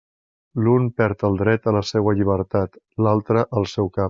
L'un perd el dret a la seua llibertat, l'altre al seu cap.